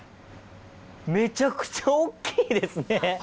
めちゃくちゃ大きいですね。